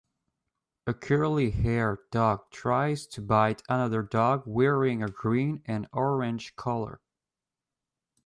A curlyhaired dog tries to bite another dog wearing a green and orange collar.